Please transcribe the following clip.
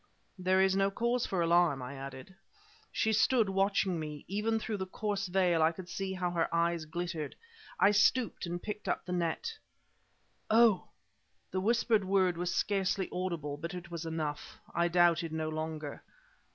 "There is no cause for alarm," I added. She stood watching me; even through the coarse veil I could see how her eyes glittered. I stooped and picked up the net. "Oh!" The whispered word was scarcely audible, but it was enough; I doubted no longer.